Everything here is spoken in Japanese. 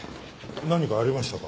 何かありましたか？